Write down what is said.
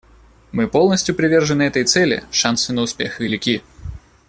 Мы полностью привержены этой цели, шансы на успех велики.